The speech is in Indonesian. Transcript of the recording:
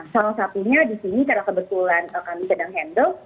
salah satunya disini karena kebetulan kami sedang handle